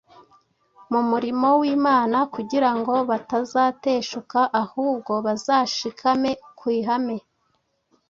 mu murimo w’Imana kugira ngo batazateshuka ahubwo bazashikame ku ihame.